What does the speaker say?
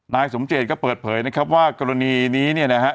นายสมเจตก็เปิดเผยนะครับว่ากรณีนี้เนี่ยนะฮะ